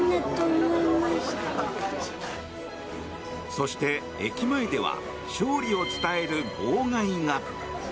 そして、駅前では勝利を伝える号外が。